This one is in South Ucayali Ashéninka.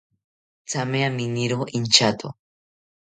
Thame aminiro inchato